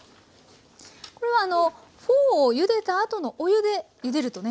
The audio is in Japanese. これはフォーをゆでたあとのお湯でゆでるとね